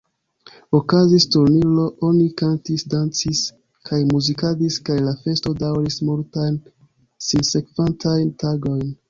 Okazis turniro, oni kantis, dancis kaj muzikadis kaj la festo dauris multajn sinsekvantajn tagojn.